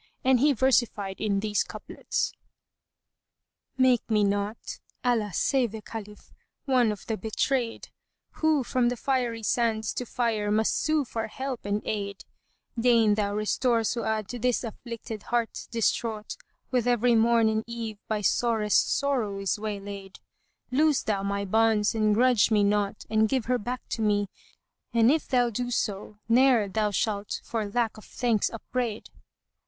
And he versified in these couplets, "Make me not (Allah save the Caliph!) one of the betrayed * Who from the fiery sands to fire must sue for help and aid: Deign thou restore Su'ád to this afflicted heart distraught, * Which every morn and eve by sorest sorrow is waylaid: Loose thou my bonds and grudge me not and give her back to me; * And if thou do so ne'er thou shalt for lack of thanks upbraid!"